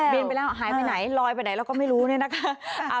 บินไปแล้วหายไปไหนลอยไปไหนเราก็ไม่รู้นี่นะคะ